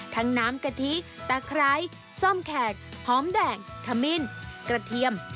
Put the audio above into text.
น้ำกะทิตะไคร้ส้มแขกหอมแดงขมิ้นกระเทียม